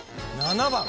７番。